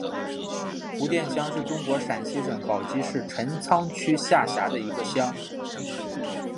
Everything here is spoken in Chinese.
胡店乡是中国陕西省宝鸡市陈仓区下辖的一个乡。